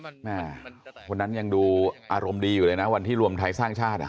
แม่วันนั้นยังดูอารมณ์ดีอยู่เลยนะวันที่รวมไทยสร้างชาติอ่ะ